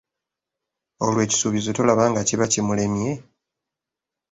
Olwo ekisuubizo tolaba nga kiba kimulemye?